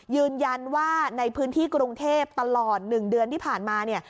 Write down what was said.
ยืนยันว่าในพื้นที่กรุงเทพตลอด๑เดือนที่ผ่านมาเนี่ย